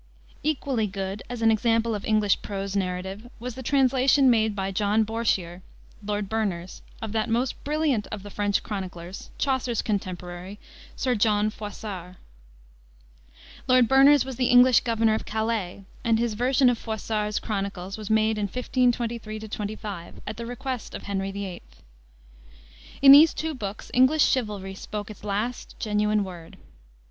'" Equally good, as an example of English prose narrative, was the translation made by John Bourchier, Lord Berners, of that most brilliant of the French chroniclers, Chaucer's contemporary, Sir John Froissart. Lord Berners was the English governor of Calais, and his version of Froissart's Chronicles was made in 1523 25, at the request of Henry VIII. In these two books English chivalry spoke its last genuine word.